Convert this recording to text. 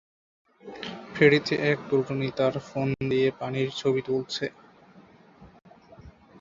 ফেরিতে এক তরুণী তার ফোন দিয়ে পানির ছবি তুলেছে।